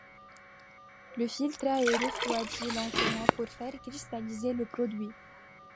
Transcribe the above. Le filtrat est refroidi lentement pour faire cristalliser le produit.